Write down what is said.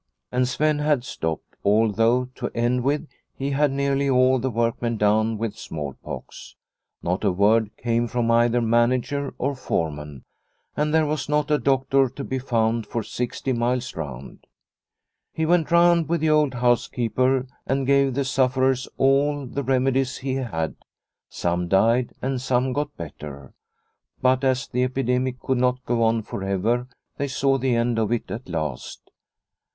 And Sven had stopped, although, to end with, he had nearly all the workmen down with smallpox. Not a word came from either manager or foreman, and there was not a doctor to be found for sixty miles round. He went round with the old housekeeper and gave the sufferers all the remedies he had. Some died and some got better. But as the epidemic could not go on for ever, they saw the end of it at last.